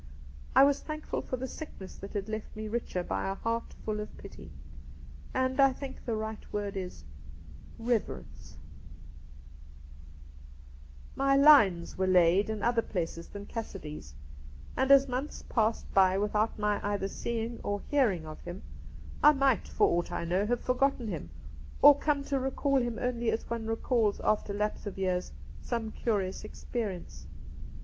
I was thankful for the sickness that left me richer by a heart ftiU of pity and — I think the right word is — reverence ! TP ^ TT nr My lines were laid in other places than Cassidy's, and as months passed by without my either seeing or hearing of him, I might, for aught I know, have forgotten him, or come to recall him only as one recalls, after lapse of years, some curious experience.